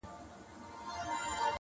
• که یاران وي که شراب بس چي زاړه وي..